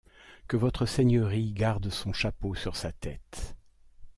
Que votre seigneurie garde son chapeau sur sa tête.